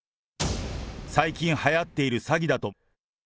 最近はやっている詐欺だと。